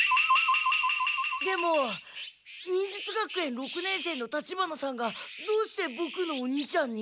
でも忍術学園六年生の立花さんがどうしてボクのお兄ちゃんに？